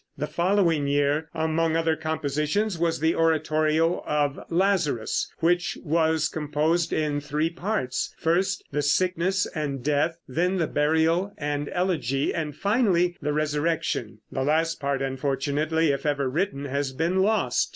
The following year, among other compositions, was the oratorio of "Lazarus," which was composed in three parts first, the sickness and death, then the burial and elegy, and, finally, the resurrection. The last part, unfortunately, if ever written, has been lost.